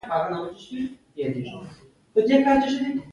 برېټانوي استعمار زبېښونکي بنسټونه رامنځته کړل.